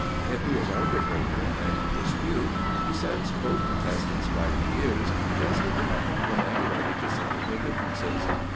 If he is arbitrator in a dispute, he sets both contestants by the ears just at the moment when they are ready to settle their differences.